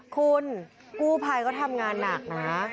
คุณกู้ภัยก็ทำงานหนักนะ